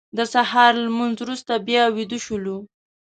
د سهار لمونځ وروسته بیا ویده شولو.